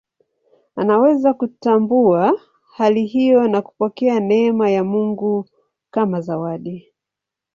Anaweza kutambua hali hiyo na kupokea neema ya Mungu kama zawadi.